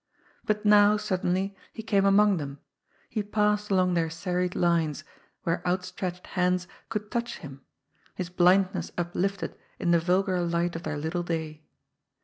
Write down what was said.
But now, suddenly, he came among them ; he passed along their serried lines, where outstretched hands could touch him, his blindness uplifted in the vulgar light of their little day.